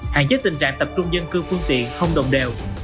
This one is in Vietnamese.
hạn chế tình trạng tập trung dân cư phương tiện không đồng đều